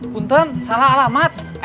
punten salah alamat